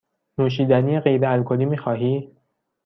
نوشیدنی غیر الکلی می خواهی؟